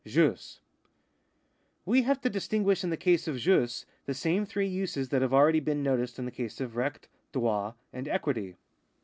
JUS. — We have to distinguish in the case of jus the same three uses that have already been noticed in the case of recht, droit, and equity.